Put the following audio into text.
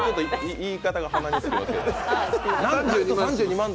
言い方が鼻につきますけど。